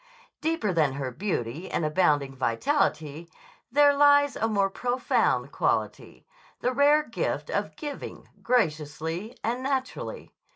Deeper than her beauty and abounding vitality there lies a more profound quality, the rare gift of giving graciously and naturally.